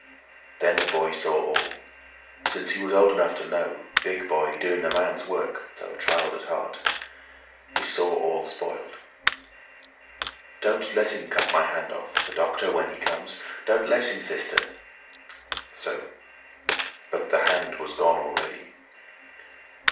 Then the boy saw all—Since he was old enough to know, big boyDoing a man's work, though a child at heart—He saw all spoiled. "Don't let him cut my hand off—The doctor, when he comes. Don't let him, sister!"So. But the hand was gone already.